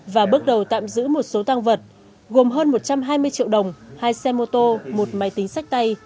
và bước đầu tạm giữ một số tăng vật gồm hơn một trăm hai mươi triệu đồng hai xe mô tô một máy tính sách tay